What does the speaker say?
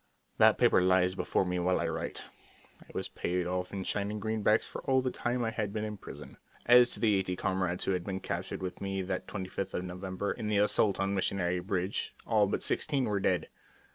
_" That paper lies before me while I write. I was paid off in shining greenbacks for all the time I had been in prison. As to the eighty comrades who had been captured with me that 25th of November in the assault on Missionary Ridge, all but sixteen were dead.